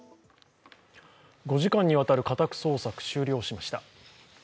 ５時間にわたる家宅捜索終了しました。